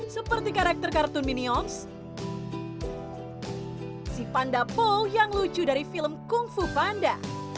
seperti karakter kartun minions si panda paul yang lucu dari film kung fu panda